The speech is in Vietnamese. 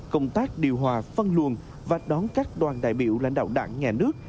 công tác điều hòa phân luồn và đón các đoàn đại biểu lãnh đạo đảng nhà nước